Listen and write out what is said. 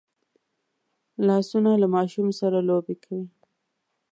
لاسونه له ماشوم سره لوبې کوي